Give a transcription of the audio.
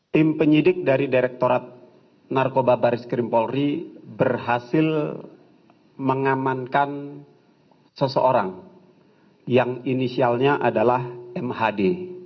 tim penyidik dari direkturat narkoba baris krim polri berhasil mengamankan seseorang yang inisialnya adalah mhd